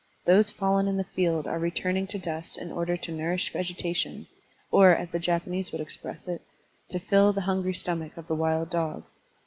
Those fallen in the field are returning to dust in order to nourish vegetation, or, as the Japanese would express it, to fill the hungry stomach of the wild dog.